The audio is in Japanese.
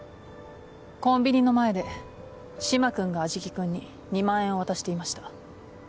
コンビニの前で嶋君が安食君に２万円を渡していました。